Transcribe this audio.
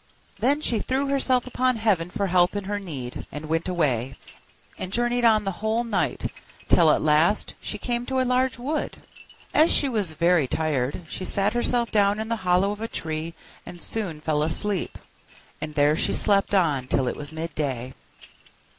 Then she threw herself upon Heaven for help in her need, and went away, and journeyed on the whole night, till at last she came to a large wood. As she was very tired, she sat herself down in the hollow of a tree and soon fell asleep: and there she slept on till it was midday.